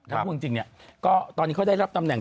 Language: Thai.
ถ้าพูดจริงเนี่ยก็ตอนนี้เขาได้รับตำแหน่ง